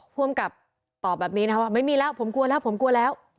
ภูมิกับตอบแบบนี้นะครับว่าไม่มีแล้วผมกลัวแล้วผมกลัวแล้ว